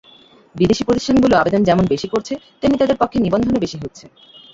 বিদেশি প্রতিষ্ঠানগুলো আবেদন যেমন বেশি করছে, তেমনি তাদের পক্ষে নিবন্ধনও বেশি হচ্ছে।